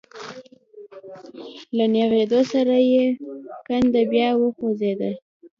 له نېغېدو سره يې کنده بيا وخوځېده.